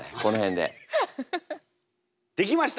できました！